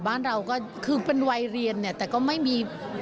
บ้านเราก็คือเป็นวัยเรียนเนี่ยแต่ก็ไม่มี